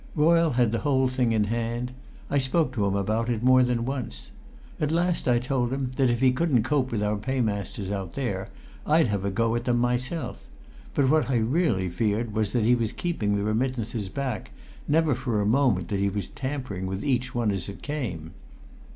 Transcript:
Royle had the whole thing in hand. I spoke to him about it more than once. At last I told him that if he couldn't cope with our paymasters out there, I'd have a go at them myself; but what I really feared was that he was keeping the remittances back, never for a moment that he was tampering with each one as it came.